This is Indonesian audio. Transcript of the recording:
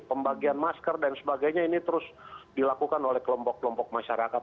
pembagian masker dan sebagainya ini terus dilakukan oleh kelompok kelompok masyarakat